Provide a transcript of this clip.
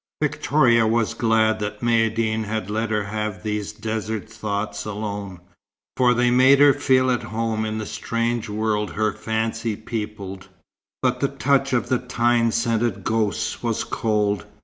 Victoria was glad that Maïeddine had let her have these desert thoughts alone, for they made her feel at home in the strange world her fancy peopled; but the touch of the thyme scented ghosts was cold.